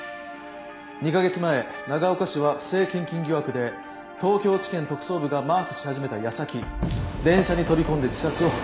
２カ月前長岡氏は不正献金疑惑で東京地検特捜部がマークし始めた矢先電車に飛び込んで自殺を図りました。